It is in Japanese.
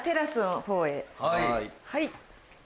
はい。